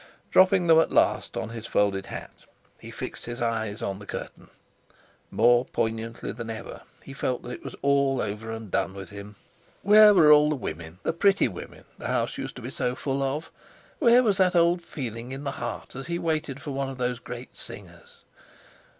Dropping them at last on his folded hat, he fixed his eyes on the curtain. More poignantly than ever he felt that it was all over and done with him. Where were all the women, the pretty women, the house used to be so full of? Where was that old feeling in the heart as he waited for one of those great singers?